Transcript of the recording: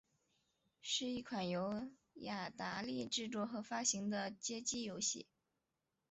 是一款由雅达利制作和发行的街机游戏。